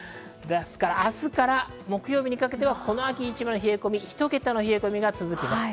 明日から木曜日にかけてはこの秋一番の冷え込み、１桁の冷え込みが続く。